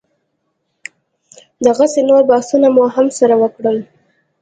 دغسې نور بحثونه مو هم سره وکړل.